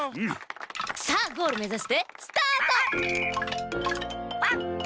さあゴールめざしてスタート！